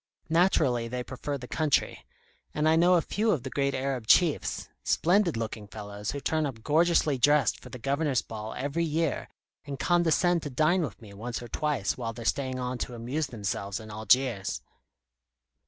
Naturally they prefer the country. And I know a few of the great Arab Chiefs splendid looking fellows who turn up gorgeously dressed for the Governor's ball every year, and condescend to dine with me once or twice while they're staying on to amuse themselves in Algiers."